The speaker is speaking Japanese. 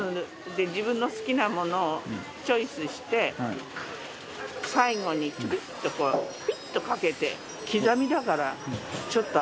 自分の好きなものをチョイスして最後にちょびっとこうピッとかけて。